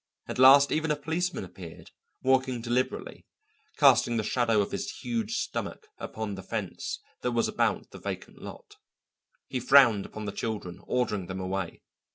At last even a policeman appeared, walking deliberately, casting the shadow of his huge stomach upon the fence that was about the vacant lot. He frowned upon the children, ordering them away.